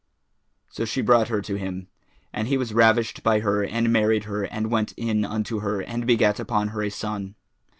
So she brought her to him, and he was ravished by her and married her and went in unto her; and begat upon her a son.